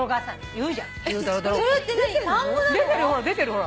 出てるほら出てるほら。